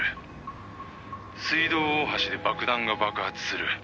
「水道大橋で爆弾が爆発する。